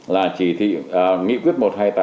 là chỉ thị nghị quyết một trăm hai mươi tám